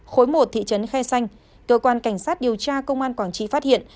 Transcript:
khối một thị trấn khe xanh cơ quan cảnh sát điều tra công an quảng trị phát hiện